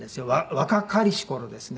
若かりし頃ですね